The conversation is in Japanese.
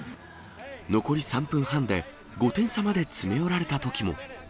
残り３分半で５点差まで詰め寄られたときも。